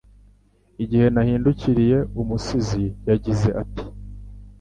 Igihe nahindukiriye umusizi yagize ati